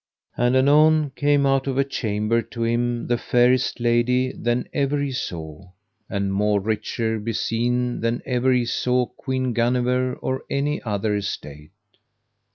And anon came out of a chamber to him the fairest lady than ever he saw, and more richer beseen than ever he saw Queen Guenever or any other estate.